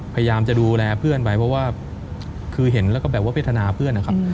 พยายามจะดูแลเพื่อนไปเพราะว่าคือเห็นแล้วก็แบบว่าพัฒนาเพื่อนนะครับ